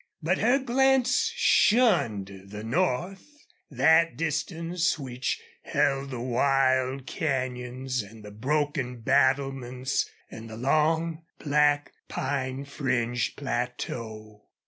But her glance shunned the north, that distance which held the wild canyons and the broken battlements and the long, black, pine fringed plateau.